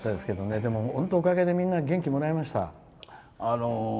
でも、おかげでみんな元気をもらいました。